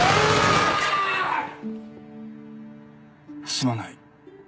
すまない。